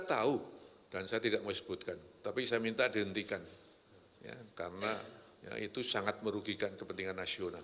saya tahu dan saya tidak mau sebutkan tapi saya minta dihentikan karena itu sangat merugikan kepentingan nasional